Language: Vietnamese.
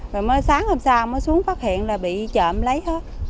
rồi mới sáng hôm sau mới xuống phát hiện là bị trộm lấy hết